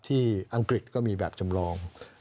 อังกฤษก็มีแบบจำลอง